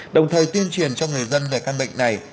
đồng thời tiên triển cho người dân về căn bệnh này